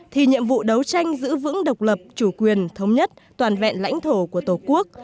thì nhiệm vụ đấu tranh giữ vững độc lập chủ quyền thống nhất toàn vẹn lãnh thổ của tổ quốc